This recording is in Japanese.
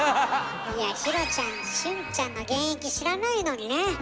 いやひろちゃん俊ちゃんの現役知らないのにね。